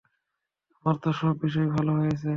আমার তো সব বিষয় ভালো হয়েছে।